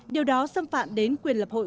điều đó xâm phạm đến quyền lập hội